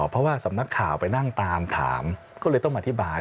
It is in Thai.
เพราะว่าสำนักข่าวไปนั่งตามถามก็เลยต้องอธิบาย